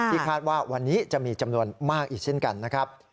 คาดว่าวันนี้จะมีจำนวนมากอีกเช่นกันนะครับ